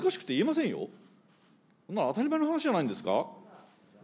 そんなの当たり前の話じゃないんですか。